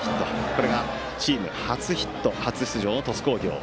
これがチーム初ヒットとなった初出場の鳥栖工業。